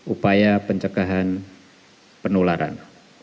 upaya pencegahan penyakit